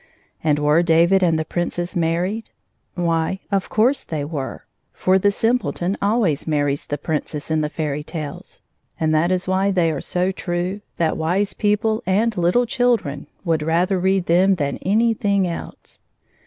And were David and the Princess married? Why, of course they were. For the simpleton always marries the Princess in the fairy tales, and that is why they are so true that wise people and httle children would rather read them than any thing else.